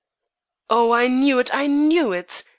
"Oh, I knew it, I knew it!"